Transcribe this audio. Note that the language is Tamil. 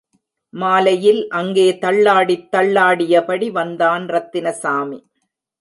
மாலையில் அங்கே தள்ளாடித் தள்ளாடியபடி வந்தான் ரத்தினசாமி.